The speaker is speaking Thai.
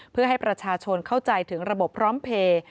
เพื่อให้ประชาชนเข้าใจถึงระบบพร้อมเพลย์